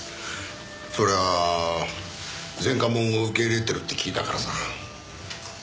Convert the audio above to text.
それは前科者を受け入れてるって聞いたからさ。